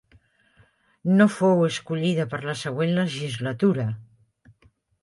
No fou escollida per la següent legislatura.